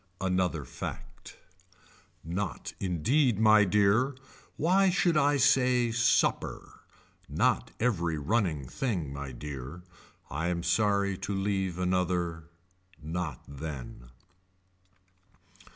Another fact. Not indeed my dear. Why should I say supper. Not every running thing my dear. I am sorry to leave another. Not then.